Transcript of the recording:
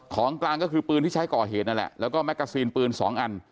ของกลางก็คือปืนที่ใช้ก่อเหตุนั่นแหละแล้วก็แกซีนปืน๒อัน